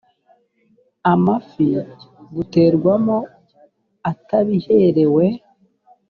amafi buterwamo atabiherewe